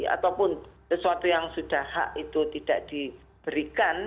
ataupun sesuatu yang sudah hak itu tidak diberikan